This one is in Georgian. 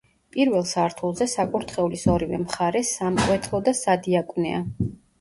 პირველ სართულზე, საკურთხევლის ორივე მხარეს, სამკვეთლო და სადიაკვნეა.